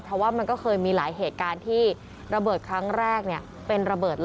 เพราะว่ามันก็เคยมีหลายเหตุการณ์ที่ระเบิดครั้งแรกเป็นระเบิด